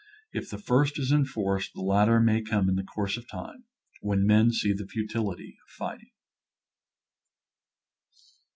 If the first is en forced, the latter may come in the course of time, when men see the futility of fighting.